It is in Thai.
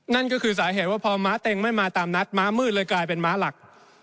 นั่นก็คือสาเหตุว่าพอม้าเต็งไม่มาตามนัดม้ามืดเลยกลายเป็นม้าหลัก